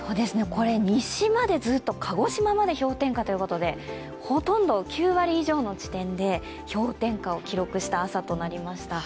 西までずっと、鹿児島まで氷点下ということで、ほとんど９割以上の地点で氷点下を記録した朝となりました。